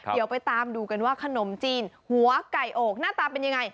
เดี๋ยวไปตามดูกันว่าขนมจีนหัวไก่อกหน้าตาเป็นยังไง